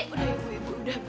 udah ibu ibu udah